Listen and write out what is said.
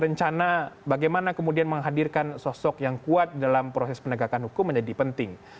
rencana bagaimana kemudian menghadirkan sosok yang kuat dalam proses penegakan hukum menjadi penting